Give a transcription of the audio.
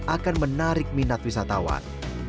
akan menarik minat wisatawan